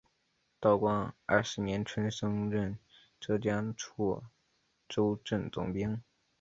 道光二十年春升任浙江处州镇总兵。